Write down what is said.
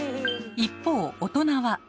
一方大人は。